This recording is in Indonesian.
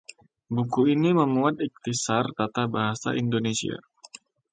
buku ini memuat ikhtisar tata bahasa Indonesia